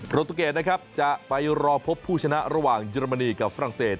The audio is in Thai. ตูเกตนะครับจะไปรอพบผู้ชนะระหว่างเยอรมนีกับฝรั่งเศส